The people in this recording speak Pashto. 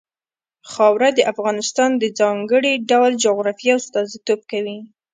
خاوره د افغانستان د ځانګړي ډول جغرافیه استازیتوب کوي.